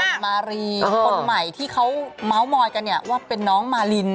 คุณมารีคนใหม่ที่เขาเมาส์มอยกันเนี่ยว่าเป็นน้องมาริน